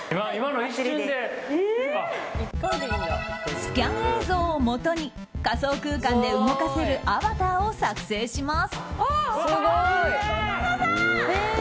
スキャン映像をもとに仮想空間で動かせるアバターを作成します。